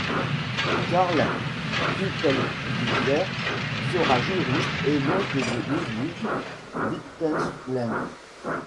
Karl Kupelwieser sera juriste et l'oncle de Ludwig Wittgenstein.